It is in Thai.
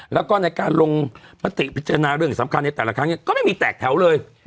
แล้วก็ในการลงมติพิจารณาเรื่องสำคัญในแต่ละครั้งก็ไม่มีแตกแถวเลย